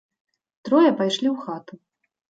Трое пайшлі ў хату.